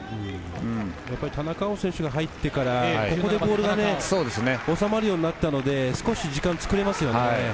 田中碧選手が入ってから、ボールが収まるようになったので少し時間を作れますよね。